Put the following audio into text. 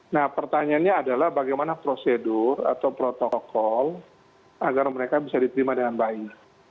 nah pertanyaannya adalah bagaimana prosedur atau protokol agar mereka bisa diterima dengan baik